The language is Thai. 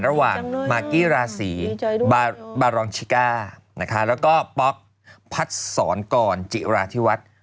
ระหว่างมากกี้ราศีบารอนชิก้านะคะแล้วก็ป๊อกพัดศรกรจิราธิวัฒน์